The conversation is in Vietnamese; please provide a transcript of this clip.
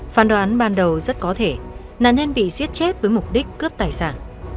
phán đoán ban đầu rất có thể nạn nhân bị giết chết với mục đích cướp tài sản